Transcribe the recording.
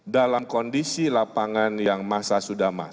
dalam kondisi lapangan yang masa sudah masuk